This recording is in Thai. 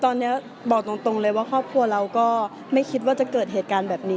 ตอนนี้บอกตรงเลยว่าครอบครัวเราก็ไม่คิดว่าจะเกิดเหตุการณ์แบบนี้